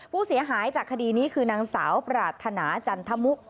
ผู้เสียหายจากคดีนี้คือนางสาวปรารถนาจันทมุก